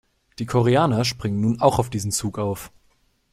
Die Koreaner springen nun auch auf diesen Zug auf.